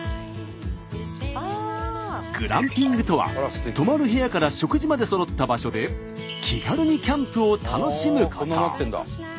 「グランピング」とは泊まる部屋から食事までそろった場所で気軽にキャンプを楽しむこと。